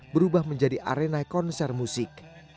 berubah menjadi arena konser musik